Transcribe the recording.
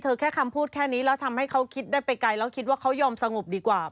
แค่คำพูดแค่นี้แล้วทำให้เขาคิดได้ไปไกลแล้วคิดว่าเขายอมสงบดีกว่า